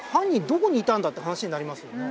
どこにいたんだって話になりますよね。